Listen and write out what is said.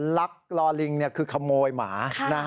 ลักลอลิงคือขโมยหมา